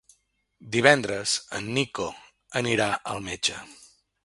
Divendres en Nico anirà al metge.